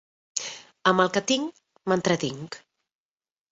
Amb el que tinc, m'entretinc.